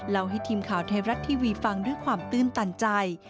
ให้ทีมข่าวไทยรัฐทีวีฟังด้วยความตื้นตันใจ